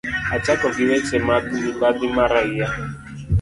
Achako gi weche mag mibadhi ma raia